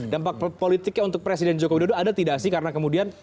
dampak politiknya untuk presiden joko widodo ada tidak sih karena kemudian